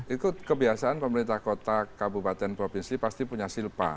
ikut kebiasaan pemerintah kota kabupaten provinsi pasti punya silpa